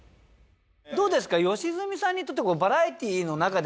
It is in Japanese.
どうですか？